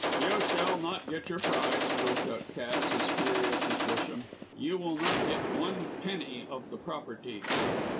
"You shall not get your price," broke out Cass, as furious as Busham. "You will not get one penny of the property."